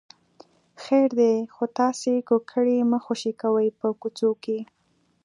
خیر دی خو تاسې کوکری مه خوشې کوئ په کوڅو کې.